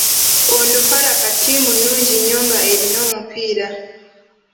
Onduparaka ttiimu nnungi nnyo nga erina omupiira.